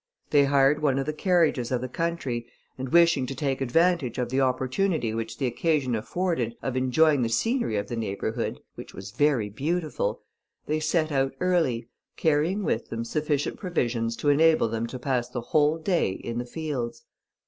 They hired one of the carriages of the country, and wishing to take advantage of the opportunity which the occasion afforded of enjoying the scenery of the neighbourhood, which was very beautiful, they set out early, carrying with them sufficient provisions to enable them to pass the whole day in the fields.